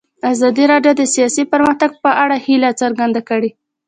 ازادي راډیو د سیاست د پرمختګ په اړه هیله څرګنده کړې.